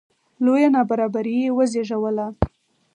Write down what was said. لویه نابرابري یې وزېږوله